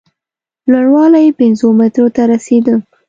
لوړوالی یې پینځو مترو ته رسېده.